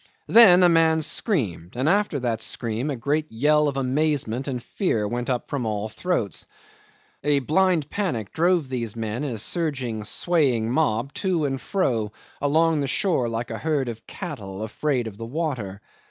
Then a man screamed, and after that scream a great yell of amazement and fear went up from all the throats. A blind panic drove these men in a surging swaying mob to and fro along the shore like a herd of cattle afraid of the water.